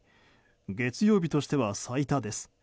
月曜日としては最多です。